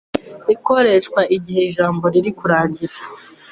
ikoreshwa igihe ijambo riri kuranngira